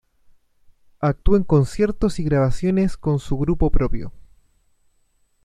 Actuó en conciertos y grabaciones con su grupo propio.